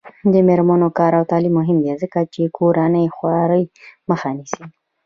د میرمنو کار او تعلیم مهم دی ځکه چې کورنۍ خوارۍ مخه نیسي.